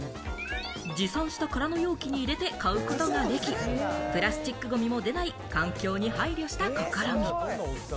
持参した空の容器に入れて買うことができ、プラスチックごみも出ない環境に配慮した試み。